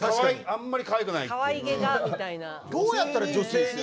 あんまりかわいくないって。